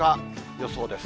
予想です。